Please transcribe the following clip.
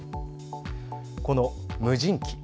この無人機。